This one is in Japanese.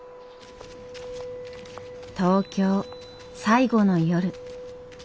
東京最後の夜。